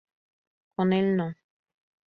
Con el No.